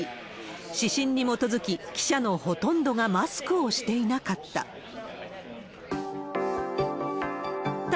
指針に基づき、記者のほとんどがマスクをしていなかった。